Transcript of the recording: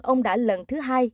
ông đã lần thứ hai